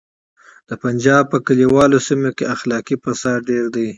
د پنجاب په کلیوالو سیمو کې اخلاقي فساد ډیر دی